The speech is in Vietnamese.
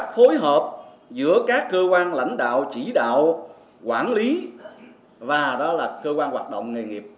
phối hợp giữa các cơ quan lãnh đạo chỉ đạo quản lý và đó là cơ quan hoạt động nghề nghiệp